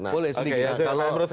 boleh sedikit ya